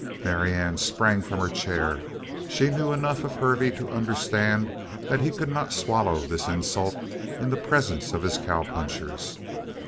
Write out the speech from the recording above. Marianne sprang from her chair. She knew enough of Hervey to understand that he could not swallow this insult in the presence of his cowpunchers.